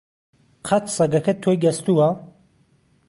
قەت سەگەکەت تۆی گەستووە؟